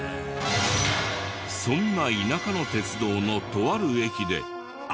そんな田舎の鉄道のとある駅であんな事を！